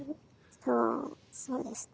そうそうですね。